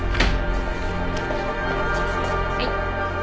はい。